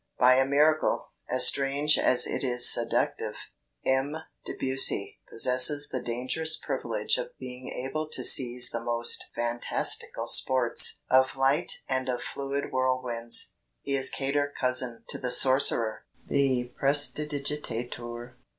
By a miracle, as strange as it is seductive, M. Debussy possesses the dangerous privilege of being able to seize the most fantastical sports of light and of fluid whirlwinds. He is cater cousin to the sorcerer, the prestidigitateur...."